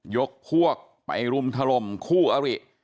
ยกพวกไปรุมถล่มคู่อริ